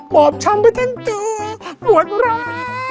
บอกชัมไปทั้งตัวหมดแล้ว